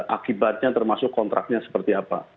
akibatnya termasuk kontraknya seperti apa